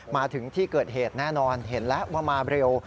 มาถึงที่เกิดเหตุแน่นอนเห็นแล้วว่ามาเร็ว